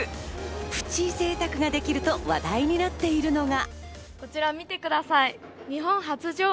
プチ贅沢ができると話題になっているのが。